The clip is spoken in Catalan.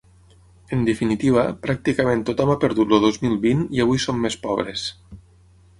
En definitiva, pràcticament tothom ha perdut el dos mil vint i avui som més pobres.